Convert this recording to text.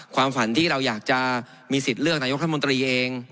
ความฝันที่เราอยากจะมีสิทธิ์เลือกนายกรัฐมนตรีเอง